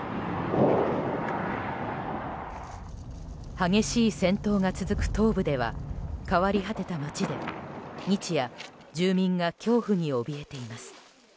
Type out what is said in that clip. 激しい戦闘が続く東部では変わり果てた街で日夜、住民が恐怖におびえています。